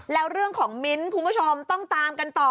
แล้วเรื่องของมิ้นท์คุณผู้ชมต้องตามกันต่อ